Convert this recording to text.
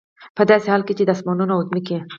په داسي حال كي چي د آسمانونو او زمكي